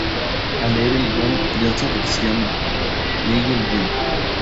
Al leer el guión, Johnson reaccionó: "Leí el guión.